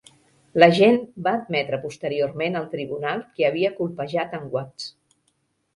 L"agent va admetre posteriorment al tribunal que havia colpejat en Watts.